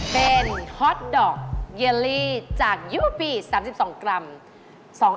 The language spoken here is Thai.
เป็นฮอตดอกเยลลี่จากยูปี๓๒กรัม